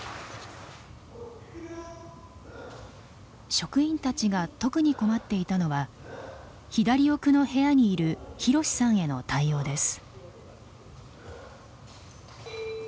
職員たちが特に困っていたのは左奥の部屋にいるひろしさんへの対応です。